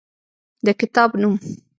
د کتاب نوم: